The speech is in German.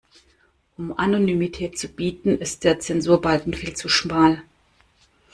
Um Anonymität zu bieten, ist der Zensurbalken viel zu schmal.